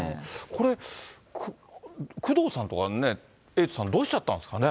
これ、工藤さんは、エイトさん、どうしちゃったんですかね。